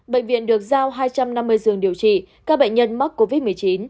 bệnh viện được giao hai trăm năm mươi giường điều trị các bệnh nhân mắc covid một mươi chín